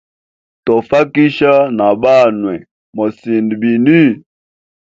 Tofakisha na banwe mosind bini?